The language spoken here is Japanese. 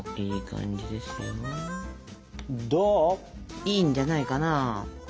いいんじゃないかな。